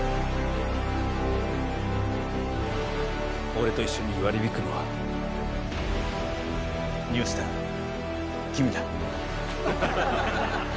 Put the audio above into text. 俺と一緒に割り引くのはニュースター君だ。